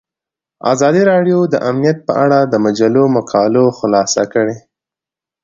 ازادي راډیو د امنیت په اړه د مجلو مقالو خلاصه کړې.